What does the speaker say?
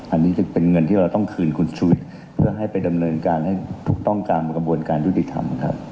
อันนี้จึงเป็นเงินที่เราต้องคืนคุณชุวิตเพื่อให้ไปดำเนินการให้ถูกต้องตามกระบวนการยุติธรรมครับ